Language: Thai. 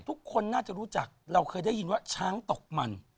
ทุกคนน่าจะรู้จักเราเคยได้ยินว่าช้างตกมัน